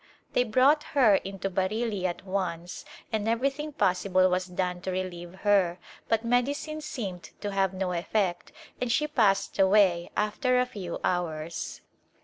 They brought her in to Bareilly at once and everything possible was done to relieve her but medicines seemed to have no effect and she passed away after a few hours.